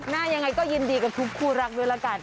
ยังไงก็ยินดีกับทุกคู่รักด้วยละกัน